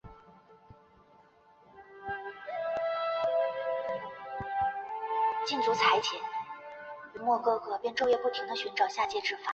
乔伊拥有哈佛教育研究所教育硕士学位与赛布鲁克研究所心理学博士学位。